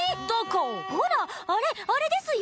あれあれですよ！